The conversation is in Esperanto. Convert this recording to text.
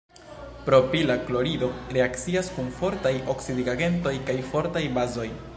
Propila klorido reakcias kun fortaj oksidigagentoj kaj fortaj bazoj.